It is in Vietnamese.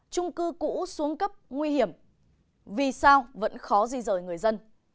trung cư cũ xuống cấp nguy hiểm vì sao vẫn khó di rời người dân